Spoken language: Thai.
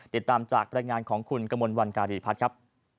ติดตามจากบรรยายงานของคุณกมลวันการีพัฒน์ครับ